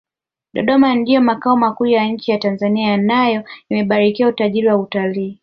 dodoma ndiyo makao makuu ya nchi ya tanzania nayo imebarikiwa utajiri wa utalii